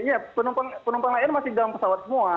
ya penumpang lion air masih dalam pesawat semua